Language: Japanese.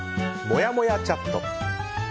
もやもやチャット。